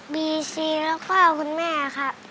บีชีแล้วก็คุณแม่ครับ